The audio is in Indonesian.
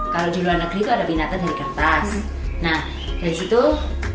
kalau di luar negeri itu ada pinata dari kertas